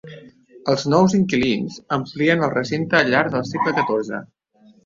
Els nous inquilins amplien el recinte al llarg del segle xiv.